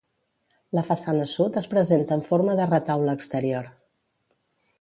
La façana sud es presenta en forma de retaule exterior.